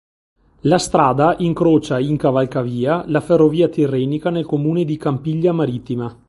La strada incrocia, in cavalcavia, la ferrovia Tirrenica nel comune di Campiglia Marittima.